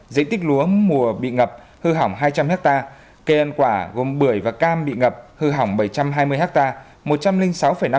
dĩ tích lúa mùa bị ngập hư hỏng hai trăm linh ha cây ăn quả gồm bưởi và cam bị ngập hư hỏng bảy trăm hai mươi ha